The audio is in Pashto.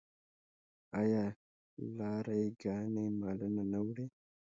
آیا لاری ګانې مالونه نه وړي؟